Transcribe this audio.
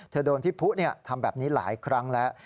โดนพี่ผู้ทำแบบนี้หลายครั้งแล้ว